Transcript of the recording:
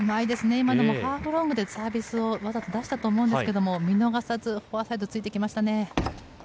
今のもハーフロングでわざと出したと思うんですが見逃さずフォアサイドについてきました。